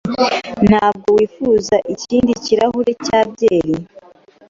Ntabwo wifuza ikindi kirahure cya byeri?